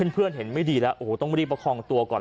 เพื่อนเห็นไม่ดีแล้วโอ้โหต้องรีบประคองตัวก่อน